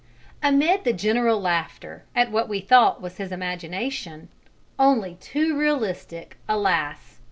Amid the general laughter at what we thought was his imagination, only too realistic, alas!